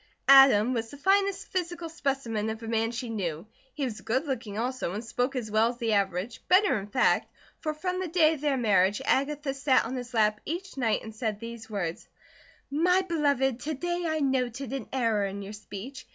Adam was the finest physical specimen of a man she knew. He was good looking also, and spoke as well as the average, better in fact, for from the day of their marriage, Agatha sat on his lap each night and said these words: "My beloved, to day I noted an error in your speech.